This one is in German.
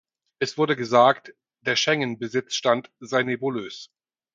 Es wurde gesagt, der Schengen-Besitzstand sei nebulös.